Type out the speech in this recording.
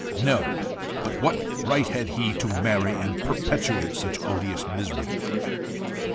"No; but what right had he to marry and perpetuate such odious misery!"